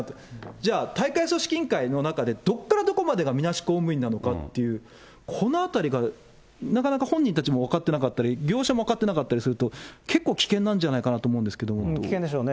じゃあ、大会組織委員会の中でどこからどこまでがみなし公務員なのかっていう、このあたりがなかなか、本人たちも分かってなかったり、業者も分かってなかったりすると、結構、危険なんじゃないかなと思危険でしょうね。